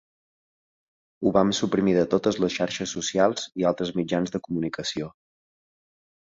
Ho vam suprimir de totes les xarxes socials i altres mitjans de comunicació.